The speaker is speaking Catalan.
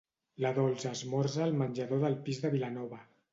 La Dols esmorza al menjador del pis de Vilanova.